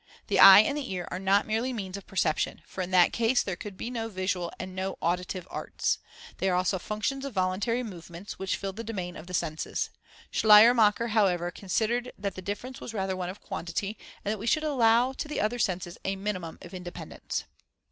The eye and the ear are not merely means of perception, for in that case there could be no visual and no auditive arts. They are also functions of voluntary movements, which fill the domain of the senses. Schleiermacher, however, considered that the difference was rather one of quantity, and that we should allow to the other senses a minimum of independence.